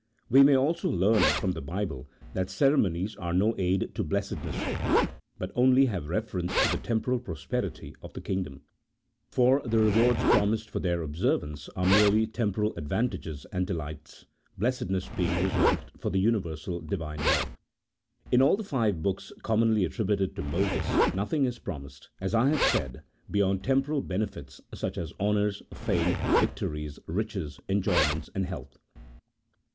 We may also learn from the Bible that ceremonies are no aid to blessedness, but only have reference to the temporal prosperity of the kingdom ; for the rewards promised for their observance are merely temporal advantages and delights, blessedness being re served for the universal Divine law. In all the five books commonly attributed to Moses nothing is promised, as I have said, beyond temporal benefits, such as honours, fame, victories, riches, enjoyments, and health.